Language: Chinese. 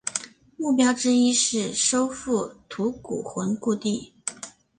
目标之一是收复吐谷浑故地。